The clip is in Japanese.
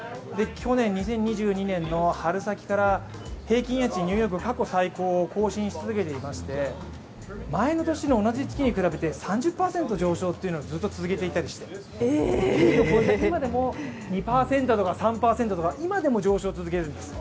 去年２０２２年の春先から平均家賃ニューヨーク、過去最高を更新し続けていまして前の年の同じ月に比べて３０％上昇というのが、ずっと続けていたりして２％とか３％でも今でも上昇を続けてるんです。